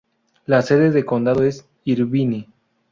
La sede de condado es Irvine.